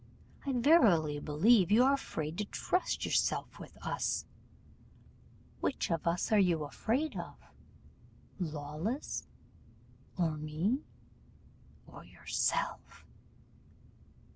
I verily believe you are afraid to trust yourself with us. Which of us are you afraid of, Lawless, or me, or yourself?